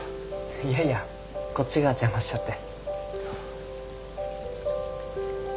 いやいやこっちが邪魔しちゃって。